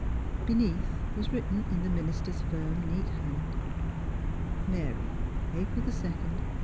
Beneath was written in the minister's firm, neat hand: '' Mary, April 2, 1893."